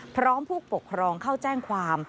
ผู้ปกครองเข้าแจ้งความ